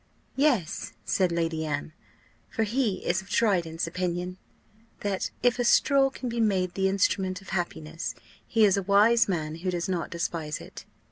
"Yes," said Lady Anne; "for he is of Dryden's opinion, that, if a straw can be made the instrument of happiness, he is a wise man who does not despise it."